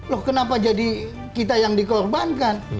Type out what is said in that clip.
loh kenapa jadi kita yang dikorbankan